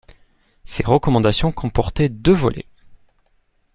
Ces recommandations comportaient deux volets.